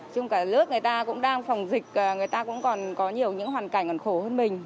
trong cả nước người ta cũng đang phòng dịch người ta cũng còn có nhiều những hoàn cảnh còn khổ hơn mình